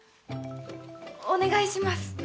お願いします。